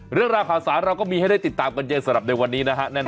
เรื่องราวข่าวสารเราก็มีให้ได้ติดตามกันเยอะสำหรับในวันนี้นะฮะ